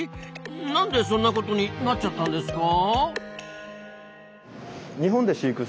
なんでそんなことになっちゃったんですか？